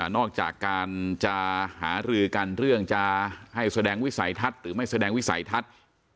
อกจากการจะหารือกันเรื่องจะให้แสดงวิสัยทัศน์หรือไม่แสดงวิสัยทัศน์